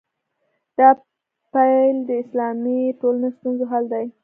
دا پیل د اسلامي ټولنو ستونزو حل دی.